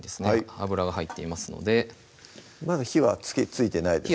油が入っていますのでまだ火はついてないですね